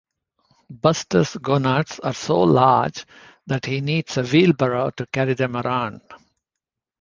Buster's gonads are so large, that he needs a wheelbarrow to carry them around.